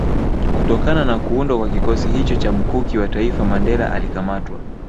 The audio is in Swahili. Kutokana na kuundwa kwa kikosi hicho cha Mkuki wa taifa Mandela alikamatwa